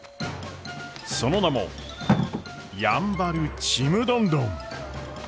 その名も「やんばるちむどんどん」。